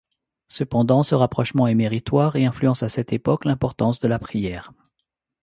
Cependant ce rapprochement est méritoire et influence à cette époque l'importance de la prière.